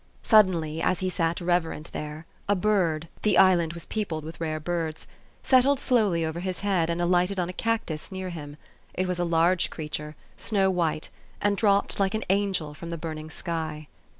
Suddenly, as he sat reverent there, a bird the island was peopled with rare birds settled slowly over his head, and alighted on a cactus near him. It was a large creature, snow white, and dropped like an angel from the burning sky.